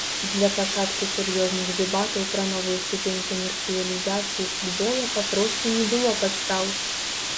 Для пачатку сур'ёзных дэбатаў пра новую ступень камерцыялізацыі футбола папросту не было падстаў.